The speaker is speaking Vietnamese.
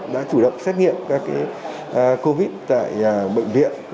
đã chủ động xét nghiệm các covid tại bệnh viện